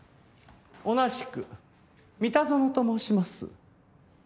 同じく三田園と申します。